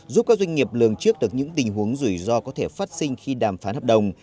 giúp các doanh nghiệp lường trước được những tình huống rủi ro có thể phát sinh khi đàm phán hợp đồng